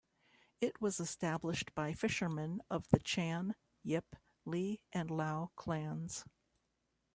It was established by fishermen of the Chan, Yip, Li and Lau clans.